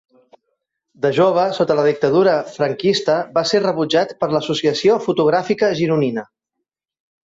De jove, sota la dictadura franquista va ser rebutjat per l'Associació Fotogràfica Gironina.